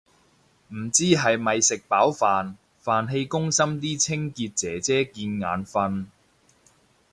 唔知係咪食飽飯，飯氣攻心啲清潔姐姐見眼訓